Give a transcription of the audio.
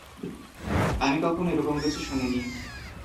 আমি কখনো এরকম কিছু শুনিনি।